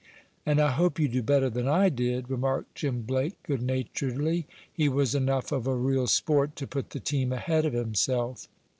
"And I hope you do better than I did," remarked Jim Blake good naturedly. He was enough of a real sport to put the team ahead of himself.